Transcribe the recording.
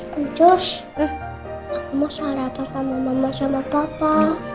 kucus mau sarapan sama mama sama papa